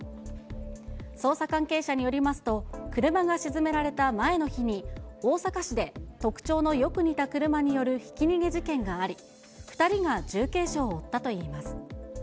捜査関係者によりますと、車が沈められた前の日に大阪市で特徴のよく似た車によるひき逃げ事件があり、２人が重軽傷を負ったといいます。